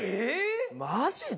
マジで！？